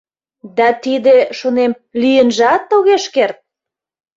«Да тиде, — шонем, — лийынжат огеш керт!